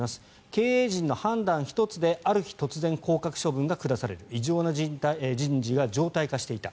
経営陣の判断１つである日突然降格処分が下される異常な人事が常態化していた。